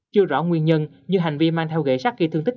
chưa rõ nguyên nhân nhưng hành vi mang theo ghệ sát kỳ thương tích